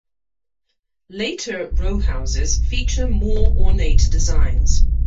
Later row houses features more ornate designs.